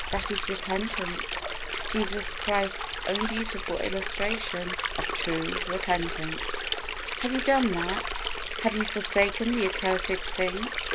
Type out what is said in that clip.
That is repentance Jesus Christ's own beautiful illustration of true penitence. Have you done that? Have you forsaken the accursed thing?